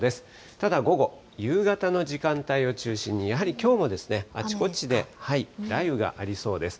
ただ午後、夕方の時間帯を中心にやはりきょうもあちこちで雷雨がありそうです。